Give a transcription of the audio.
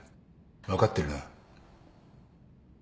分かってるな。